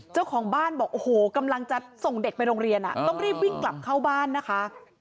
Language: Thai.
เจ้าของบ้านบอกโอ้โหกำลังจะส่งเด็กไปโรงเรียนต้องรีบวิ่งกลับเข้าบ้านนะคะ